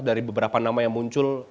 dari beberapa nama yang muncul